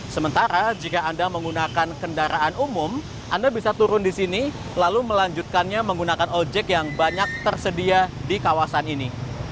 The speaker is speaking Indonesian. sementara jika anda menggunakan kendaraan umum anda bisa turun di sini lalu melanjutkannya menggunakan ojek yang banyak tersedia di kawasan ini